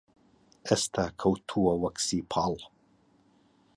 ئێستا کەوتووە وەک سیپاڵ